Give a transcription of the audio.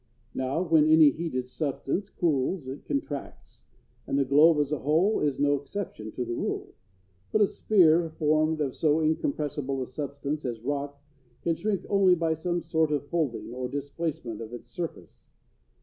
Now, when any heated substance cools it contracts, and the globe as a whole is no exception to the rule; but a sphere formed of so incompressible a substance as rock can shrink only by some sort of folding or displacement of its surface.